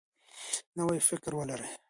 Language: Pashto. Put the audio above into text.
نوی فکر ولرئ.